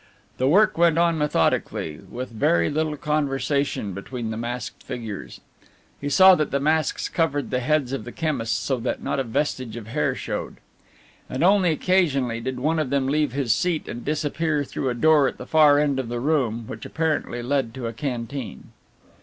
The work went on methodically, with very little conversation between the masked figures (he saw that the masks covered the heads of the chemists so that not a vestige of hair showed), and only occasionally did one of them leave his seat and disappear through a door at the far end of the room, which apparently led to a canteen.